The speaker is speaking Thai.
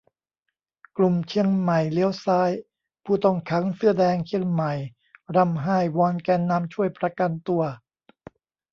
กลุ่มเชียงใหม่เลี้ยวซ้าย : ผู้ต้องขังเสื้อแดงเชียงใหม่ร่ำไห้วอนแกนนำช่วยประกันตัว